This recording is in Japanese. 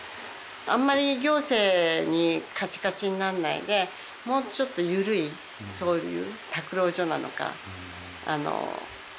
あんまり行政にカチカチになんないでもうちょっと緩いそういう。